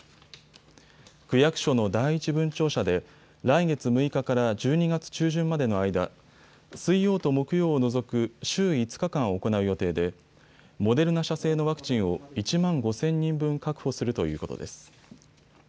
区役所の第一分庁舎で来月６日から１２月中旬までの間、水曜と木曜を除く週５日間行う予定でモデルナ社製のワクチンを１万５０００人分確保するということです。